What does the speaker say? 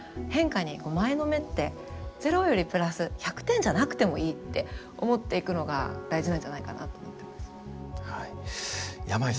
変化に前のめってゼロよりプラス１００点じゃなくてもいいって思っていくのが大事なんじゃないかなと思ってますね。